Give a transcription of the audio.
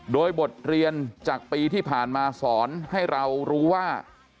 โดยบทเรียนจากปีที่ผ่านมาสอนให้เรารู้ว่า